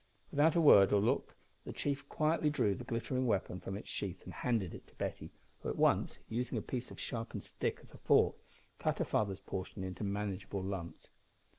Without a word or look the chief quietly drew the glittering weapon from its sheath and handed it to Betty, who at once, using a piece of sharpened stick as a fork, cut her father's portion into manageable lumps.